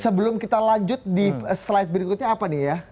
sebelum kita lanjut di slide berikutnya apa nih ya